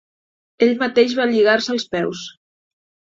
Ell mateix va lligar-se els peus.